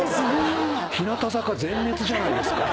日向坂全滅じゃないですか。